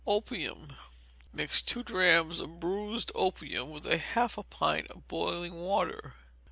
Opium. Mix two drachms of bruised opium with haif a pint of boiling water.